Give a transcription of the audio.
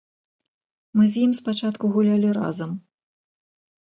Мы з ім спачатку гулялі разам.